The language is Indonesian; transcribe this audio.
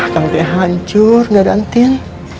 kau bisa hancur dadan tin